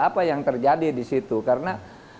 apa yang terjadi disitu karena